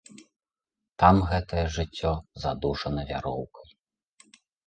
Там гэтае жыццё задушана вяроўкай.